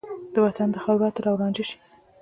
د وطن د خاورو عطر او رانجه شي